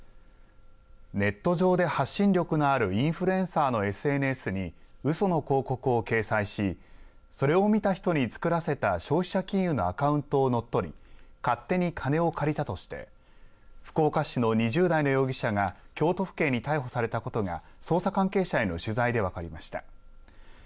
ネット上で発信力のあるインフルエンサーのＳＮＳにうその広告を掲載しそれを見た人に作らせた消費者金融のアカウントを乗っ取り勝手に金を借りたとして福岡市の２０代の容疑者が京都府警に逮捕されたことが捜査関係者への取材で分かりました。